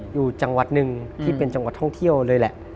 อยู่จังหวัดหนึ่งที่เป็นจังหวัดท่องเที่ยวเลยแหละ